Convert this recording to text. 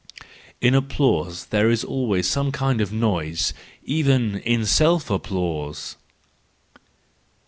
—In applause there is always som< kind of noise: even in self applause.